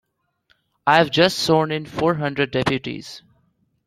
I've just sworn in four hundred deputies.